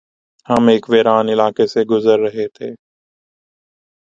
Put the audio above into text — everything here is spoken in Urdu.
ہم ایک ویران علاقے سے گزر رہے تھے